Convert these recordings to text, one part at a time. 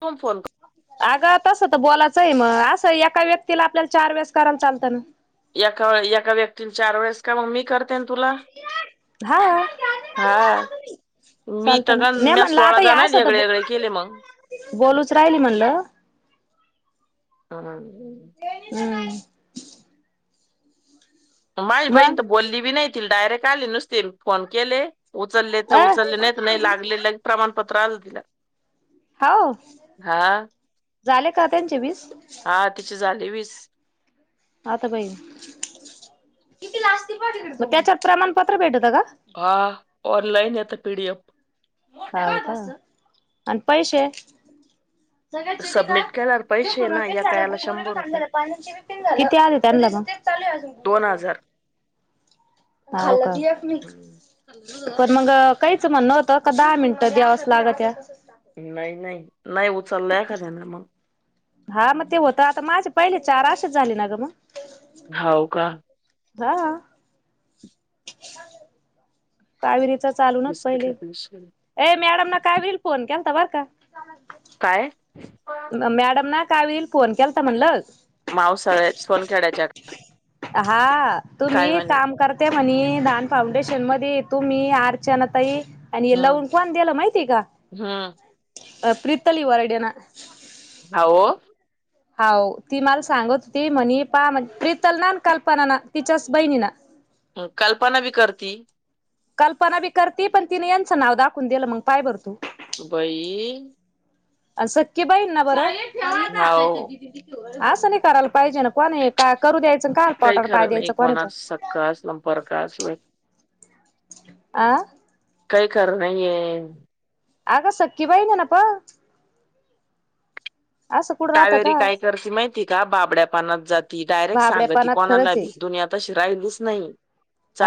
[unintelligible] Phone कर. अगं तसं तर बोलायचं आहे, मग असं एका व्यक्तीला आपल्याला चार वेळेस करायाला चालतना. एका एका व्यक्तीने चार वेळेस करा मी करतेन तुला. हा हां, मी चालत तर ना गण मी म्हणलं आता या [unintelligible] असं वेगळे वे तर गळे केले मग. बोलूच राहिलं म्हणलं. [unintelligible] हम्म. माझ मग बहीण तर बोलली बी नाही. तिला डायरेक्ट आले नुसते फोन केले. उचलले तर अ उचलले नाहीत नाही लागलेलं प्रमाणपत्र [unintelligible] हाव, हा झाले का त्यांचे वीस? हा तिची झाली वीस. आता बई, किती [unintelligible] त्याच्यात प्रमाणपत्र भेटत [unintelligible] आ ऑनलाईन आता पीडीएफ हाव का आणि पैसे? सबमिट केल्यावर पैसे ना कोणाचे एका झाले याला शंभर रुपये [unintelligible] पाण्याचं पिणं झाली तरी नुसतंच चाललंयअजून दोन गुणगुंतं. हजार [unintelligible] हम्म. पण मग काहीच म्हणणं होतं का दहा मिनटं द्यावेच लागते. नाही, नाही, नाही उचलला एखाद्यानं. हां, मग ते होतं आता माझे पहिले चार असेच झाले ना गं. हो का. आहं कावेरीच चालू नत पहिले, बिस्किटला पैसे अ मॅडमना कावीरी फोन केलता बर का. काय. मॅडम ना काय होईल फोन केल तर म्हणल. [inaudible] हा तू मी काय म्हणे काम करता ते म्हणी दान फाउंडेशन मध्ये तुम्ही मी अर्चनाताई आणि हम्म लावून कोण द्याला माहितीय का हम्म प्रितली वरडना. अहो. हो ती मला सांगत होती म्हणे पा म्हणज प्रितल ना कल्पना ना तिच्याच बहिणी न. कल्पना बी करती. कल्पना बी करती पण तिने यांचं नाव दाखवून दिलं मग पाय भरतू. बई. सख्खी बहीण ना बरं हाव असं नाही करायला पाहिजे ना. कोण काय करू द्यायचं का पोटावर पाय द्यायचं कोणाच्या. कास नंपर का अस. हा का काही खरं नाहीय. आग सखी बहिण आहे ना पण. असं कुठं राहतं कावेरी का काय करते माहिती का बाबड्या पानात जात. ती डायरेक्ट सांगत ती भाबड्यापणात कोणाला खरंच भी दुनिया तशी राहिलीच नाही.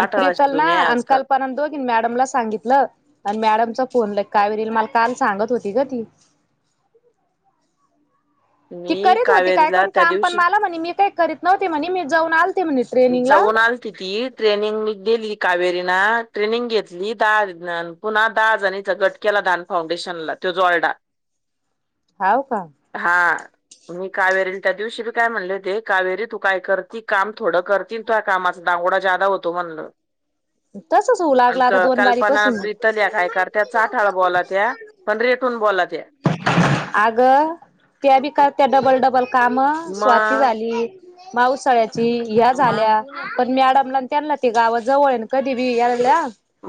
अन प्रीतल ना दुनिया आहे अन आजकाल कल्पना दोघी. मॅडमला सांगितलं आणि मॅडमचा फोनला कावेरी मला काल सांगत होती ग ती. ती मी करीत होती काय कावेरीला करून त्या काम पण दिवशी मला म्हणे मी काही करीत नव्हते म्हणे मी जाऊन आलते म्हणेत. जाऊनच ति ती ट्रेनिंग गेली कावेरीना ट्रेनिंग घेतली दहा दि पुन्हा दहा जणीचा गट केला दान फाउंडेशनला ज्यो जोडला. हव का. हा मी कावेरी त्या दिवशी बी काय म्हणले ते कावेरी तू काय करती काम थोडं करतील कामाचा दांगोडा ज्यादा होतो म्हणंल. तर. अ कल्पना प्रितल या काय करत्या चाटा आठाळा बोलात्या पण रेटून बोलात्या. अग त्या बी का त्या डबल डबल काम स्वाती मग झाली, पावसाळ्याची ह्या मग झाल्या पण मॅडमला त्यांना ते गावा जवळ कधी बी यायला.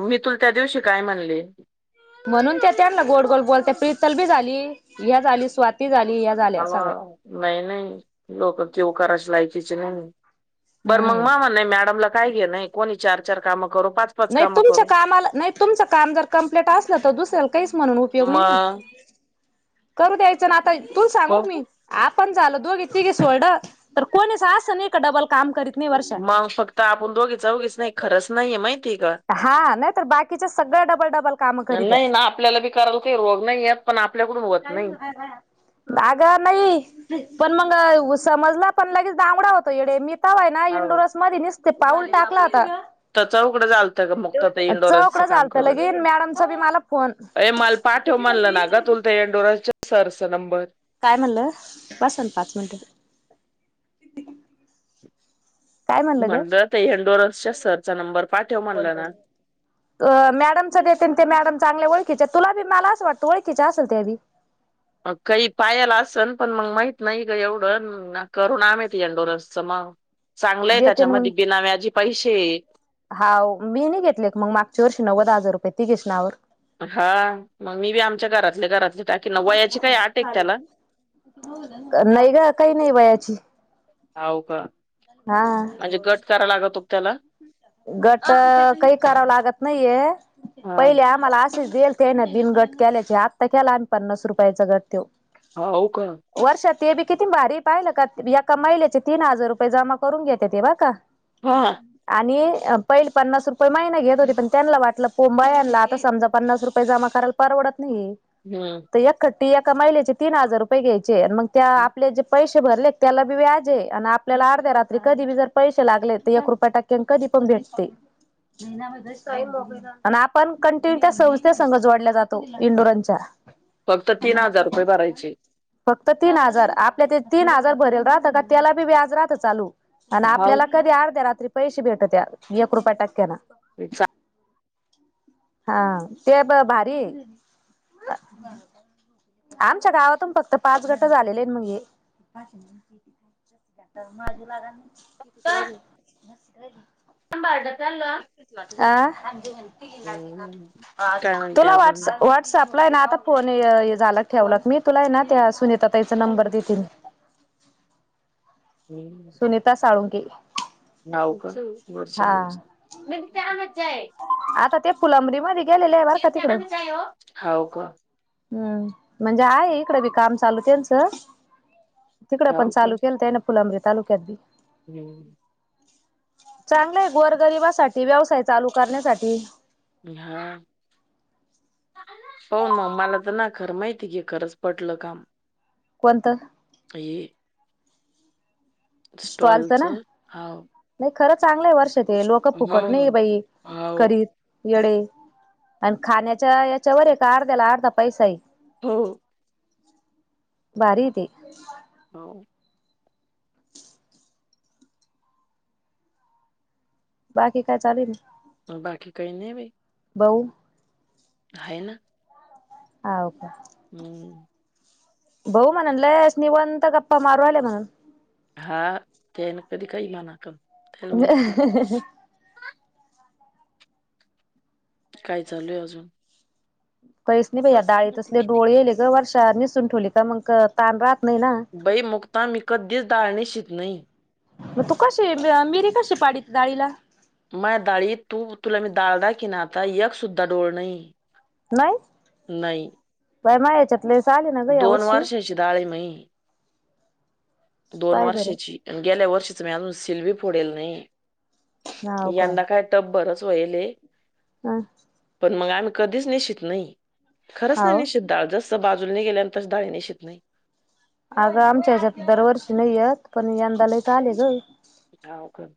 मी तुला त्या दिवशी काय म्हणले. म्हणून त्या त्यांना गोड गोल बोलत्यात प्रितलबी झाली ह झाली स्वाती झाली. झाल्या अव्वा सगळ्या नाही नाही लोकं किव करायची लायकीची नाही. बरं मंग हम्म मामा नाही मॅडमला काय घेन नाही कोणी चार चार काम करू पाच पाच नाही कामं तुमच्या करू कामाला नाही तुमचं काम जर कम्प्लीट असलं तर दुसऱ्याला काहीच म्हणून उपयोगी नाही ना. मग करू द्यायचं ना आता तु सांगूक मी बघू आपण झालो दोघी तिघे सोड तर कोणीच असं नाही का डबल काम करीत नाही वर्षा तर आपण दोघी चौघीच नाही खरंच नाहीये माहिती का हा नाही तर बाकीच्या सगळ्या डबल डबल काम करीत्या नाही ना आपल्याला बी करायला काही रोग नाही येत. पण आपल्याकडून होत नाही. अगं नाही पण मंग समजला पण लगेच दांमडा होतो येडे मी. तवाय ना हो इंडोरस मध्ये निसतं पाऊल टाकलाता तर चौकडं झालत. तर मग तर ते इंडोरस चौकडं काम झालत करून लगे मॅडमचा बी मला फोन अ म पाठेव म्हणलं ना ग तु ते इंडोरसच्या सरच नंबर. काय म्हणलं बस ना पाच मिनटं. काय म्हणलं ग म्हटलं ते इंडोरसच्या सरचा नंबर पाठव म्हणला ना. अ मॅडमचा देते ते मॅडम चांगले ओळखीचे, तुला बी मला असं वाटतं ओळखीच्या असेल ते बी. काही पायाला असन पण मंग माहित नाही ग एवढं ना करूना इंडोरसच मग चांगलंय देते ना मग त्याच्यामध्ये बिना व्याजी पैसे हाव मी नाही घेतले मग मागच्या वर्षी नव्वद हजार रुपये तीघींच्या नावावर. हा मग मी बी आमच्या घरातल्या घरातले टाकी न वयाची काही आट आहे का त्याला नाही ग काही नाही वयाची होव का हा म्हणजे गट करा लागतो त्याला. गट काही कराव लागत नाहीये हा पहिले आम्हाला असेच देईल. ते ना दिनगट केल्याचे आत्ता केला आणि पन्नास रुपये गट त्यो. हा हो का वर्षात ते बी किती भारी पाहिलं का एका महिलेचे तीन हजार रुपये जमा करून घेते ते बा का ह हा [unintelligible] आणि पहिली पन्नास रुपये महिना घेत होती पण त्यांना वाटलं पोंबायाला आता समजा पन्नास रुपये जमा करा परवडत नाही. हम् एक खट्टी एका महिलेचे तीन हजार रुपये घ्यायचे आणि मग त्या आपले जे पैसे भरले त्याला बी व्याज जे आणि आपल्याला अर्ध्या रात्री कधी बी जर पैसे लागले तर एक रुपये टक्क्यां कधी पण भेटते. [unintelligible] आणि आपण कंटिन्यू त्या संस्थेसंग जोडल्या जातो इंडोरनच्या. फक्त तीन रुपये भरायचे. फक्त तीन हजार आपल्या ते तीन हजार भरेल राहतं का त्याला बी व्याज राहतं चालू. आणि हाव आपल्याला कधी अर्ध्या रात्री पैसे भेटतात त्या एक रुपया टक्क्यान. विच्छा [unintelligible] हा ते ब भारी ये. आमच्या गावातून फक्त पाच गट झालेले आहेत म्हणले. तरझी लागा क तु. [unintelligible] सबाडातल [unintelligible] काय म्हणते तुला [unintelligible] अजून सपला आहे ना आता फोन झाला ठेवला मी तुला आहे ना त्या सुनीताताई चा नंबर देेते मी. सुनीता साळुंखे. नार्ष म आहे [unintelligible] आता ते फुलंब्री मध्ये गेलेले आहे बर का तिकडं. हाव का म्हणजे आहेय इकडं बी काम चालू त्यांच. तिकडडे पण हो का? चालू केलतय ना फुलांब्री तालुक्यात बी. [inaudible] चांगलं आहे गोरगरीबासाठी, व्यवसाय चालू करण्यासाठी हा. हो मग, मला तर ना खरं माहिती की खरंच पटलं काम कोणतं? हे स्टॉलच ना, स्टॉलचं. हां. नाही खरं चांगलं आहे वर्षा ते लोक फक्त हो, फुकट नाही हो. बाई हो, करी येडे आणि खाण्याच्या याच्यावर आहे का अर्ध्याला अर्धा पैसा आहे. हो. भारी आहे ते हं. हो. बाकी काय चालेल बाकी काही नाही बाई. भाऊ हाय ना. हाव का? हम्म. भाऊ म्हणालायस निवांत गप्पा मारू राहिले बाहेर हा ते ना कधी काही घ नाका त्याला माहिती काय चालूय अजून? कहीच नाही बाई आता बस ना डाळीत तू असले किती पण येले ग वर्षा निसून ठेवली मग ताण राहत नाही ना. बाई मुक्ता मी कधीच डाळ निशित नाही. मग तू कशी मिरी कशी पाडीत डाळीला? माय दाळीत तू, तुला मी दाळ दाखविण आता एक सुद्धा डोळ नाही. नाही... बाय मा याच्यातले लयच आले ना. ग या दोन वर्षी वर्षाची डाळ आहे मई, दोन पाय बरं वर्षाची. गेल्या वर्षीच मी अजून सिल बी फोडेल नाही, हाव का यंदा काय टबभरच वयले हा. पण मग आम्ही कधीच निशित नाही, खरंच नाही हाव निशित डाळ जस बाजू डाळ निशित नाही. अगं आमच्या ह्याच्यात दरवर्षी नाही येत पण यंदा लय तर आले ग. हाव का?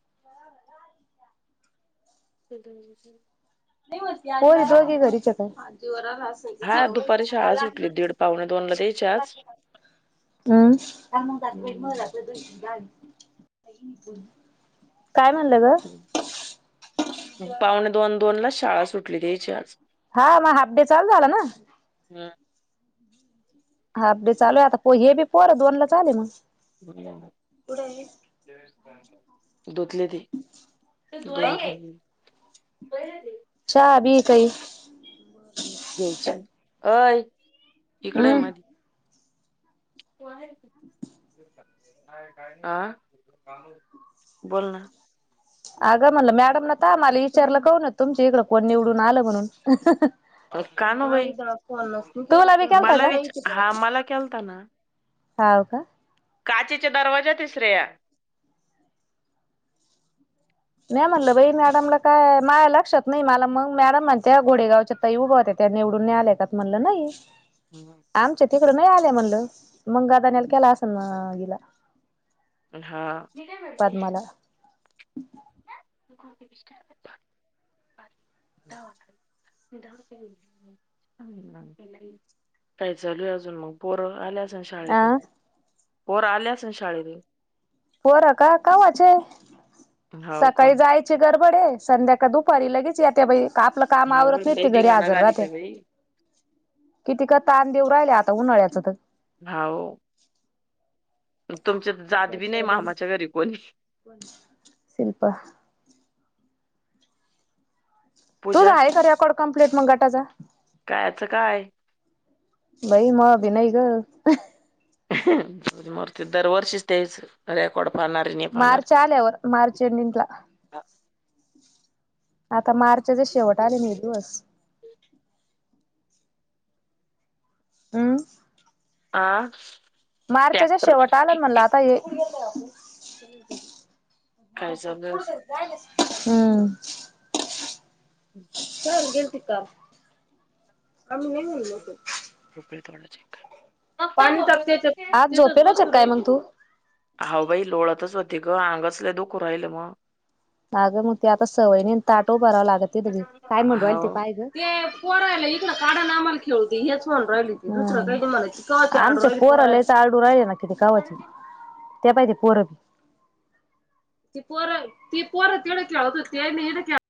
[inaudible] हम्म. जाऊदे घरीच आता हा दुपारी शाळा सुटली दीड पाहुणे दोनला त्यांची आज हम्म.. सां मं जाते हम्म. म्हलाच द [inaudible] काय म्हणलं ग? पाऊणे दोन दोन ला शाळा सुटली त्यांची आज हा मग हाफ डे चालू झाला ना, हम हाफ डे चालू आहे आता, प हे बी पोर दोन लाच आले मग धुतली ती [unintelligible] चहा बी काही? घ्यायच्या, अय इकड ये हम्म म [unintelligible] आ? बोल ना. अगं म्हणलं मॅडम न त आम्हाले विचारलं कोण ओ तुमची इकडं कोण निवडून आलं म्हणून? का ना बाई [unintelligible] तुला बी केलता मला का? विच हा मला केलता ना हाव का? काचेच्या दरवाजाते श्रेया. नाही म्हणलं बाई मॅडमला काय माय लक्षात नाही, मला मग मॅडम म्हणते घोडेगावच्या ताई उभं होत्या त्या निवडून नई आलेय का? म्हणलं नाही. हम्म. आमच्या तिकडं नाही आल्या म्हणलं, मग गदानला केला असल ना हिला? हा. मी काय म्हणते पद्माला. [unintelligible] [unintelligible] काय चालू आहे अजून मग? पोरं आल्या अ शाळेतून पोरं आले असलं शाळेतून? पोरं का कवाचे हाव का? सकाळी जाय गडबड आहे संध्या का दुपारी लगेच येत्या बाई आपला काम आवरत अवघड नाही लय ते घरी धिंगाणा हजर घालीत राहते. आहे बाई. कितीकं ताण देऊ राहिलं आता उन्हाळ्याचं तर. हाव. तुमच्यात जात बी नाही मामाच्या घरी कोणी. शिल्पा. तुझ पूजा आहे का रेकॉर्ड कंप्लेट मग गटाचं? कायचं काय? बई मा बी नाही ग. जाऊदे मूरु दे दरवर्षीच तेच रेकॉर्ड पाना मार्च आल्यावर मार्च एंडींगला. आता मार्चच्या शेवट आले नाही दिवस. अम्म? आ? मार्चाच्या ट्रॅक्टर शेवट आला म्हणला आता हे. काय [unintelligible] हम्म. [unintelligible] [unintelligible] [unintelligible] आज झोपेल सकाळी मग तू? हा बाई लोळतचं होते ग अंगच लय दुखु राहिलं मग. अगं मग ते आता सवय नई ताट उभाराव लागत ते दी काय म्हणू राहील ते हाव. पाय ग. ते पोराले इकडं काढा अन् आम्हाला खेळू दे हेच म्हणून राहिली, ते दुसरं काय तुम्हाला? आमच्याकडे पोरं लईचं आरडू राहिले ना. [unintelligible] गावाची त्या पाहिजे पोरं. ती पोरं ती पोरं तिकड खेळत होती [unintelligible]